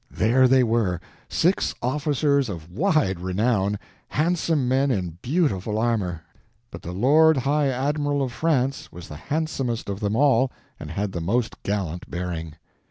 There they were, six officers of wide renown, handsome men in beautiful armor, but the Lord High Admiral of France was the handsomest of them all and had the most gallant bearing.